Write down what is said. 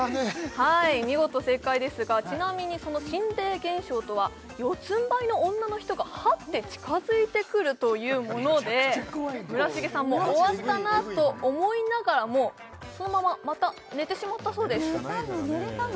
はい見事正解ですがちなみにその心霊現象とは四つんばいの女の人がはって近づいてくるというもので村重さんも終わったなと思いながらもそのまままた寝てしまったそうです寝たの？